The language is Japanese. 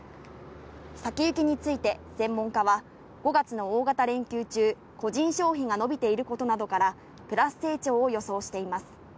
先行きについて専門家は５月の大型連休中、個人消費が伸びていることなどから、プラス成長を予想しています。